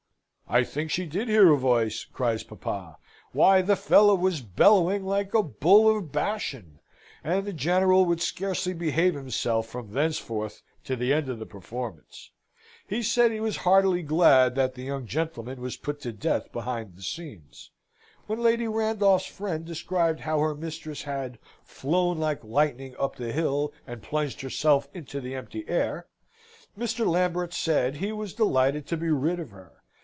"I think she did hear a voice!" cries papa. "Why, the fellow was bellowing like a bull of Bashan." And the General would scarcely behave himself from thenceforth to the end of the performance. He said he was heartily glad that the young gentleman was put to death behind the scenes. When Lady Randolph's friend described how her mistress had "flown like lightning up the hill, and plunged herself into the empty air," Mr. Lambert said he was delighted to be rid of her.